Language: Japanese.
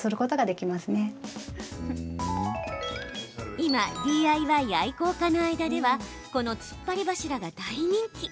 今、ＤＩＹ愛好家の間ではこのつっぱり柱が大人気。